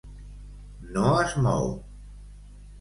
No es mou.